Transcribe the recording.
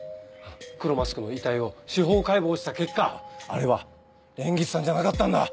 黒マスクの遺体を司法解剖した結果あれは蓮月さんじゃなかったんだ！